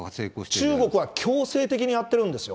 中国は強制的にやってるんですよ。